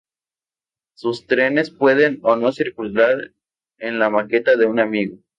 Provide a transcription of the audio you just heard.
Sus trenes pueden o no circular en la maqueta de un amigo.